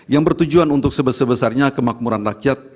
yang bertujuan untuk sebesar besarnya kemakmuran rakyat